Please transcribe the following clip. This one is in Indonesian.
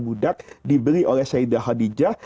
budak dibeli oleh saidah hadijah